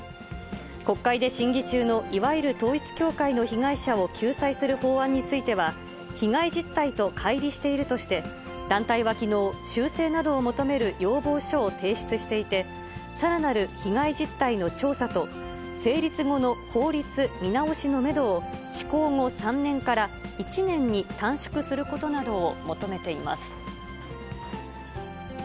国会で審議中のいわゆる統一教会の被害者を救済する法案については、被害実態とかい離しているとして、団体はきのう、修正などを求める要望書を提出していて、さらなる被害実態の調査と、成立後の法律見直しのメドを、施行後３年から１年に短縮することなどを求めています。